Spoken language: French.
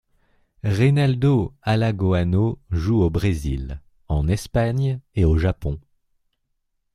Reinaldo Alagoano joue au Brésil, en Espagne, et au Japon.